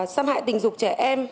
xâm hại tình dục trẻ em